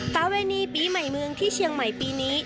ประเวณีปีใหม่เมืองที่เชียงใหม่ปีนี้